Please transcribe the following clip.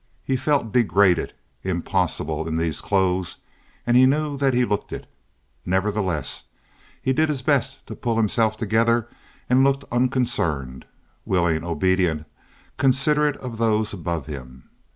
He felt degraded, impossible, in these clothes, and he knew that he looked it. Nevertheless, he did his best to pull himself together and look unconcerned, willing, obedient, considerate of those above him.